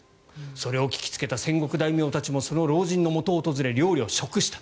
それを聞きつけた戦国大名たちもその老人のもとを訪れ料理を食した。